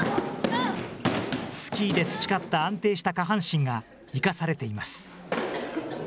スキーで培った安定した下半身が生かされています。